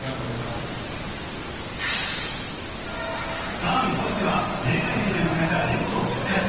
３位ロッテは０対０で迎えた延長１０回。